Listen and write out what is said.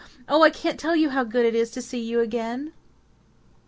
Oh, I can't tell you how good it is to see you again!"